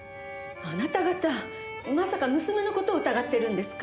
あなた方まさか娘の事を疑ってるんですか？